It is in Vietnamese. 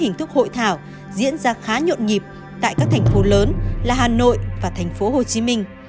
hình thức hội thảo diễn ra khá nhộn nhịp tại các thành phố lớn là hà nội và thành phố hồ chí minh